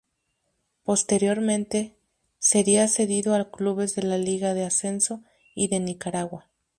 Posteriormente, sería cedido a clubes de la Liga de Ascenso y de Nicaragua.